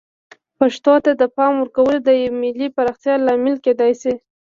پښتو ته د پام ورکول د یوې ملي پراختیا لامل کیدای شي.